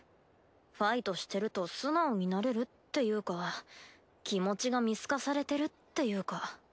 ファイトしてると素直になれるっていうか気持ちが見透かされてるっていうか。